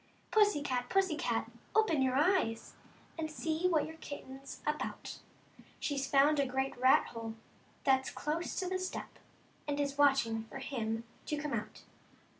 k.r Pussy Cat, Pussy Cat openyour£Jyes^ »f And see what your ^K'ltten s about ; She's found a great i^ff/' j^/e that's close to the Stea , And is watching for dim to come out.